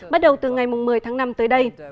bắt đầu từ ngày một mươi tháng năm tới đây